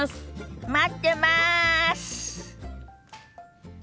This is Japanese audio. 待ってます！